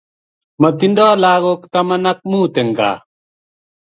Matindo lakok tama ak mut en kaa